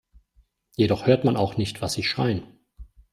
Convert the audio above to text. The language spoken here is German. Jedoch hört man auch nicht, was sie schreien.